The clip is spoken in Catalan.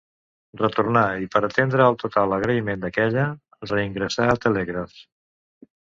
Retornà, i per atendre al total guariment d'aquella, reingressà a telègrafs.